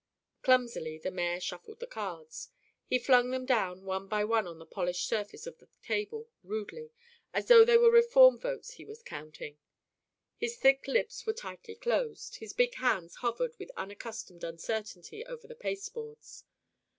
Clumsily the mayor shuffled the cards. He flung them down one by one on the polished surface of the table rudely, as though they were reform votes he was counting. His thick lips were tightly closed, his big hands hovered with unaccustomed uncertainty over the pasteboards.